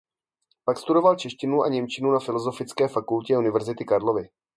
Pak studoval češtinu a němčinu na Filozofické fakultě Univerzity Karlovy.